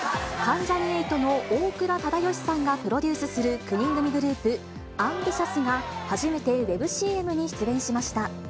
関ジャニ∞の大倉忠義さんがプロデュースする９人組グループ、アンビシャスが初めて、ウェブＣ